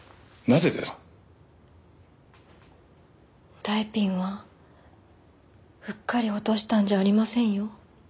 ネクタイピンはうっかり落としたんじゃありませんよ。